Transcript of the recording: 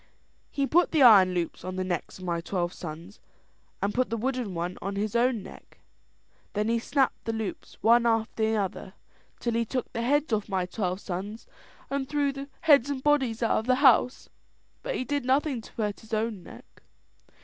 "He put the iron loops on the necks of my twelve sons, and put the wooden one on his own neck. Then he snapped the loops one after another, till he took the heads off my twelve sons and threw the heads and bodies out of the house; but he did nothing to hurt his own neck.